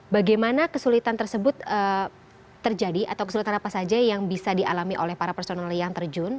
bagaimana kesulitan tersebut terjadi atau kesulitan apa saja yang bisa dialami oleh para personel yang terjun